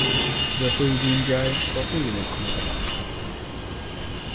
যতই দিন যায় ততই এদের ক্ষমতা বাড়তে থাকে।